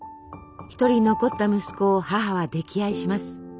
１人残った息子を母は溺愛します。